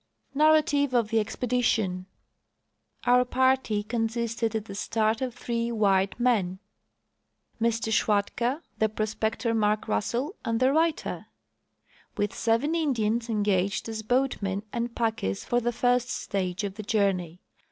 \ Narrative of the Expedition. Our party consisted at the start of three white men — Mr. Schwatka, the prospector Mark Russell, and the writer — with seven Indians engaged as boatmen and packers for the first stage of the journey.